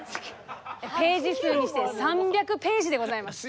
ページ数にして３００ページでございます。